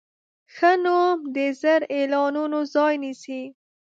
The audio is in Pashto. ښه نوم د زر اعلانونو ځای نیسي.